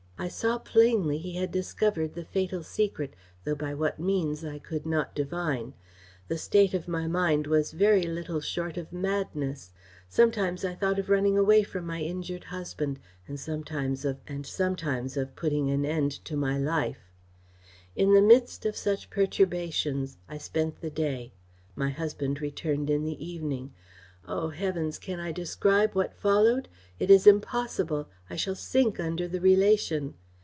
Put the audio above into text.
I saw plainly he had discovered the fatal secret, though by what means I could not divine. The state of my mind was very little short of madness. Sometimes I thought of running away from my injured husband, and sometimes of putting an end to my life. "In the midst of such perturbations I spent the day. My husband returned in the evening. O, Heavens! can I describe what followed? It is impossible! I shall sink under the relation.